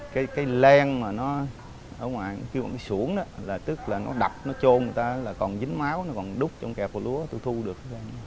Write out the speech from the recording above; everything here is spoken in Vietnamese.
cái len mà nó ở ngoài kêu là cái sũn đó là tức là nó đập nó trôn người ta là còn dính máu nó còn đút trong kẹp hồ lúa thu thu được